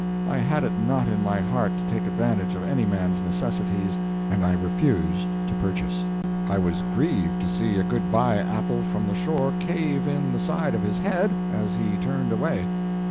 I had it not in my heart to take advantage of any man's necessities, and I refused to purchase. I was grieved to see a good bye apple from the shore cave in the side of his head as he turned away.